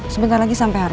sebentar lagi sampai